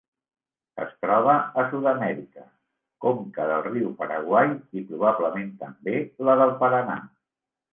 Es troba a Sud-amèrica: conca del riu Paraguai i, probablement també, la del Paranà.